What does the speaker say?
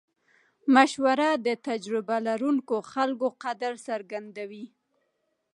مشوره د تجربه لرونکو خلکو قدر څرګندوي.